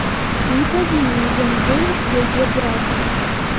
Не павінен ён быў яе браць.